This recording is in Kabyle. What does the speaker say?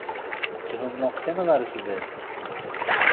Tthumuɣ kan ɣer sdat.